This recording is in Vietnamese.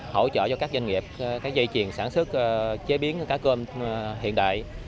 hỗ trợ cho các doanh nghiệp dây chiền sản xuất chế biến cá cơm hiện đại